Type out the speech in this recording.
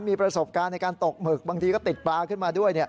มีประสบการณ์ในการตกหมึกบางทีก็ติดปลาขึ้นมาด้วย